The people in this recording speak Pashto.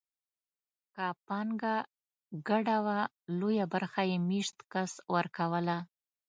که پانګه ګډه وه لویه برخه یې مېشت کس ورکوله.